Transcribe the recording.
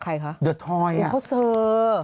ใครคะเดือดทอยอ่ะเขาเซอร์